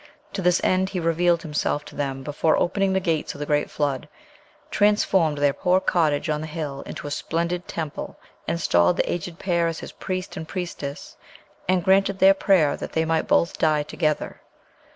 To this end he revealed himself to them before opening the gates of the great flood, transformed their poor cottage on the hill into a splendid temple, installed the aged pair as his priest and priestess, and granted their prayer that they might both die together.